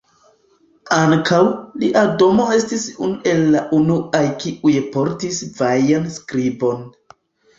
Ankaŭ, lia domo estis unu el la unuaj kiuj portis vajan skribon.